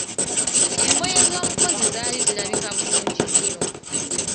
Engoye z'omukozi zaali zirabika bulungi nnyo.